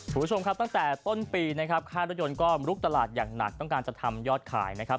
คุณผู้ชมครับตั้งแต่ต้นปีนะครับค่ารถยนต์ก็ลุกตลาดอย่างหนักต้องการจะทำยอดขายนะครับ